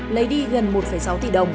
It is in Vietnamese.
lấy đi gần một sáu tỷ đồng